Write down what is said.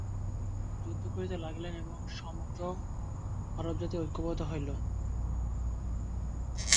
তিনি যুদ্ধ করিতে লাগিলেন, এবং সমগ্র আরবজাতি ঐক্যবদ্ধ হইল।